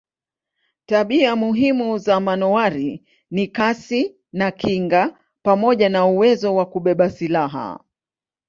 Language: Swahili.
Tabia muhimu za manowari ni kasi na kinga pamoja na uwezo wa kubeba silaha.